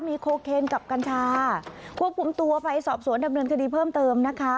มีโคเคนกับกัญชาควบคุมตัวไปสอบสวนดำเนินคดีเพิ่มเติมนะคะ